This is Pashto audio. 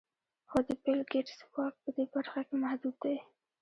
خو د بېل ګېټس واک په دې برخه کې محدود دی.